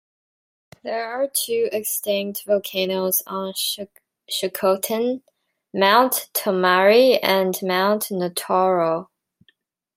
There are two extinct volcanoes on Shikotan: Mount Tomari and Mount Notoro.